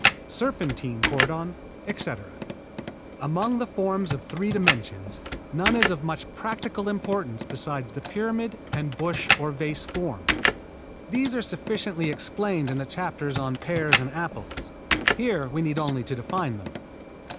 _ Serpentine cordon, etc. Among the forms of three dimensions none is of much practical importance besides the pyramid and bush or vase form. These are sufficiently explained in the chapters on pears and apples. Here we need only to define them.